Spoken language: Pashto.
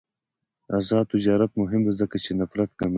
آزاد تجارت مهم دی ځکه چې نفرت کموي.